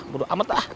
buduh amat lah